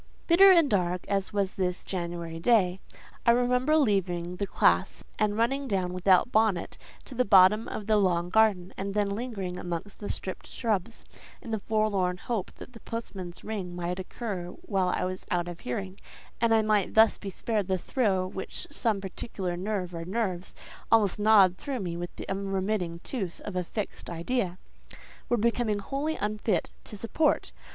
Bitter and dark as was this January day, I remember leaving the classe, and running down without bonnet to the bottom of the long garden, and then lingering amongst the stripped shrubs, in the forlorn hope that the postman's ring might occur while I was out of hearing, and I might thus be spared the thrill which some particular nerve or nerves, almost gnawed through with the unremitting tooth of a fixed idea, were becoming wholly unfit to support.